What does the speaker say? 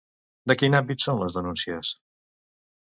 De quin àmbit són les denúncies?